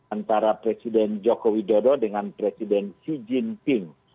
antara presiden jokowi dodo dengan presiden xi jinping